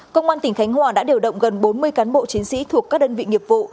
công an tỉnh khánh hòa đã điều động gần bốn mươi cán bộ chiến sĩ thuộc các đơn vị nghiệp vụ